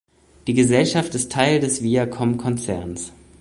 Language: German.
Die Gesellschaft ist Teil des Viacom-Konzerns.